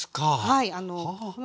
はい。